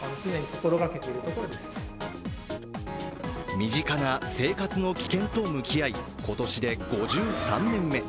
身近な生活の危険と向き合い、今年で５３年目。